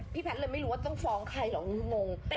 แพทย์เลยไม่รู้ว่าต้องฟ้องใครหรอกงง